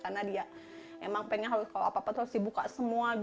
karena dia memang ingin kalau apa apa harus dibuka semua